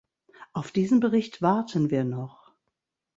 Auf diesen Bericht warten wir noch.